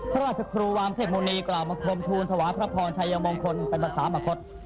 ราชครูวามเทพมุณีกล่าวมาคมทูลถวายพระพรชัยมงคลเป็นภาษามคต